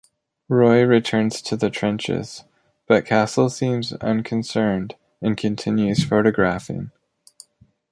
Roy returns to the trenches but Castle seems unconcerned and continues photographing.